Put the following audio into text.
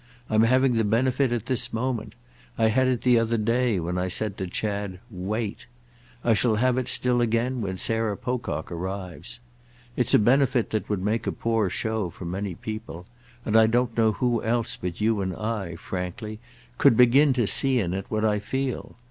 I'm having the benefit at this moment; I had it the other day when I said to Chad 'Wait'; I shall have it still again when Sarah Pocock arrives. It's a benefit that would make a poor show for many people; and I don't know who else but you and I, frankly, could begin to see in it what I feel.